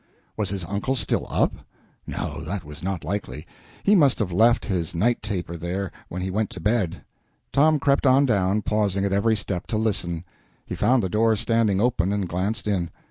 Was his uncle still up? No, that was not likely; he must have left his night taper there when he went to bed. Tom crept on down, pausing at every step to listen. He found the door standing open, and glanced in.